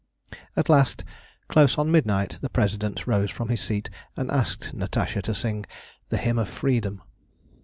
At last, close on midnight, the President rose from his seat and asked Natasha to sing the "Hymn of Freedom."